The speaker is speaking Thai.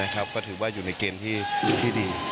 ก็ถือว่าอยู่ในเกณฑ์ที่ดี